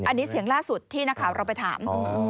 อันนี้เสียงล่าสุดที่นักข่าวเราไปถาม